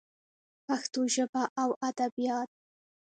پښتو ژبه او ادبیات